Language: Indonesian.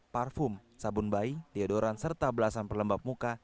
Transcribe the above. parfum sabun bayi dedoran serta belasan perlembab muka